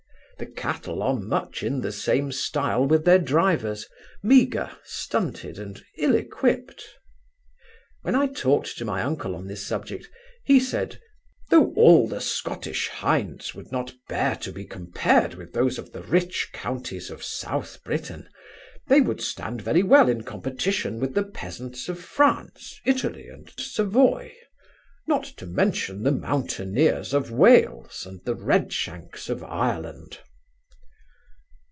The cattle are much in the same stile with their drivers, meagre, stunted, and ill equipt. When I talked to my uncle on this subject, he said, 'Though all the Scottish hinds would not bear to be compared with those of the rich counties of South Britain, they would stand very well in competition with the peasants of France, Italy, and Savoy not to mention the mountaineers of Wales, and the red shanks of Ireland.